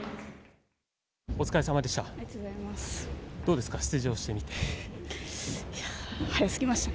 お疲れさまでした。